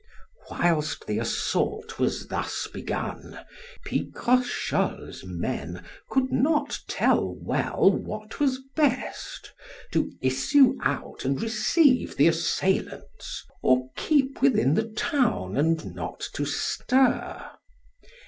Whilst the assault was thus begun, Picrochole's men could not tell well what was best, to issue out and receive the assailants, or keep within the town and not to stir.